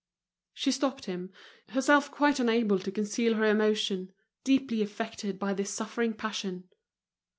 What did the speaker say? She stopped him, herself quite unable to conceal her emotion, deeply affected by this suffering passion.